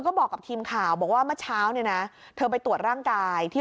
ก็บอกกับทีมข่าวบอกว่าเมื่อเช้าเนี่ยนะเธอไปตรวจร่างกายที่